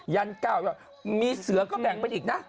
ยันเก้ามีเสือก็แบ่งไปอีกนะ